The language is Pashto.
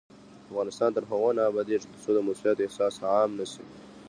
افغانستان تر هغو نه ابادیږي، ترڅو د مسؤلیت احساس عام نشي.